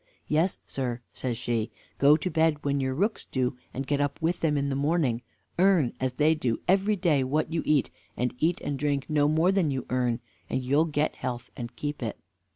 "Yes, sir," says she, "go to bed when your rooks do and get up with them in the morning; earn, as they do, every day what you eat, and eat and drink no more than you earn: and you'll get health and keep it.